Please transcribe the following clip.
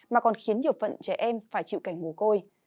mà còn khiến nhiều phận trẻ em phải chịu cảnh mồ côi